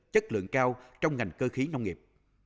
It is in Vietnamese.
chất lượng cao trong ngành cơ khí nông nghiệp